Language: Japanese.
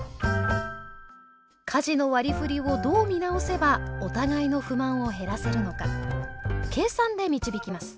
家事の割りふりをどう見直せばお互いの不満を減らせるのか計算で導きます。